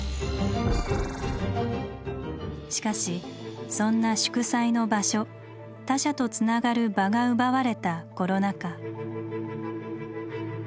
しかしそんな祝祭の「場所」他者とつながる「場」が奪われたコロナ禍。